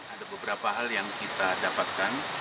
ada beberapa hal yang kita dapatkan